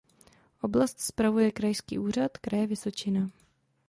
Oblast spravuje Krajský úřad Kraje Vysočina.